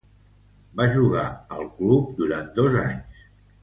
Va jugar al club durant dos anys.